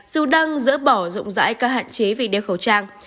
dù đang dỡ bỏ rộng rãi các hạn chế về đeo khẩu trang